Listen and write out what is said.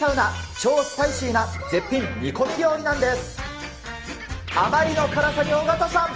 超スパイシーな絶品煮込み料理なんです。